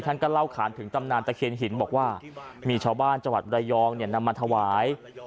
ท่านก็เล่าขานถึงตำนานตะเคียนหินบอกว่ามีชาวบ้านจังหวัดบรยองนำมาถวาย